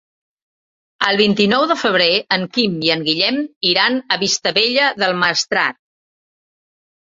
El vint-i-nou de febrer en Quim i en Guillem iran a Vistabella del Maestrat.